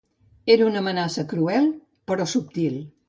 Era una amenaça cruel, però subtil.